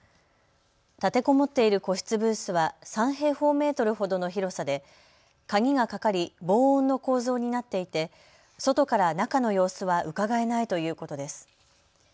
立てこもっている個室ブースは３平方メートルほどの広さで鍵がかかり防音の構造になっていて外から中の様子はうかがえないということです。